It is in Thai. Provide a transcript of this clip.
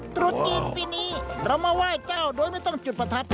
ตรุษจีนปีนี้เรามาไหว้เจ้าโดยไม่ต้องจุดประทัด